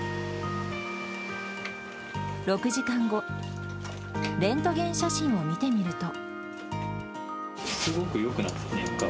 ６時間後、レントゲン写真を見てみると。